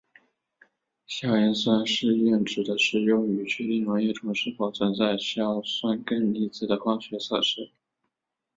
硝酸盐试验指的是用于确定溶液中是否存在硝酸根离子的化学测试。